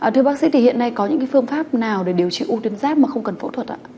thưa bác sĩ thì hiện nay có những phương pháp nào để điều trị u tuyến giáp mà không cần phẫu thuật ạ